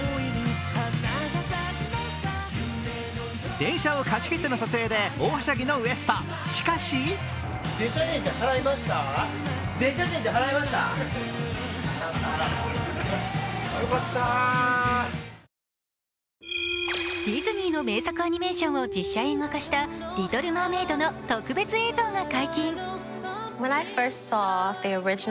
電車を貸し切っての撮影で大はしゃぎのＷＥＳＴ、しかしディズニーの名作アニメーションを実写映画化した「リトル・マーメイド」の特別映像が解禁。